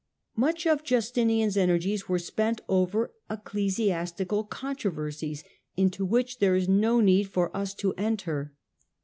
Much of Justinian's energies were spent over ecclesi astical controversies, into which there is no need for us to enter.